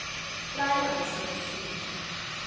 拉牛上樹